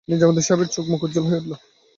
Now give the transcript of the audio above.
নিজামুদ্দিন সাহেবের চোখ-মুখ উজ্জ্বল হয়ে উঠল।